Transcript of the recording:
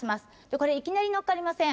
これいきなりのっかりません。